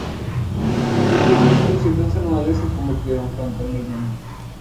Sus fiestas y conciertos anuales se convirtieron pronto en leyenda.